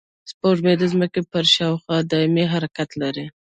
سپوږمۍ د ځمکې پر شاوخوا دایمي حرکت لري